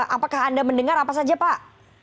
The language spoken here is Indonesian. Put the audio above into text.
apakah anda mendengar apa saja pak